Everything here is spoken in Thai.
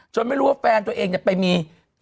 ไม่รู้ว่าแฟนตัวเองไปมี